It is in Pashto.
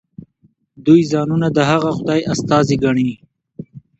دوی ځانونه د هغه خدای استازي ګڼي.